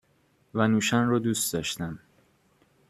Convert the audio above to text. و نوشن رو دوست داشتم